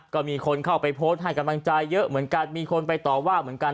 ก็มีคนเข้าไปโพสต์ให้กำลังใจเยอะเหมือนกันมีคนไปต่อว่าเหมือนกัน